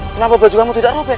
kenapa baju kamu tidak robek